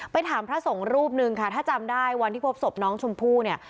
ถามพระสงฆ์รูปหนึ่งค่ะถ้าจำได้วันที่พบศพน้องชมพู่เนี่ย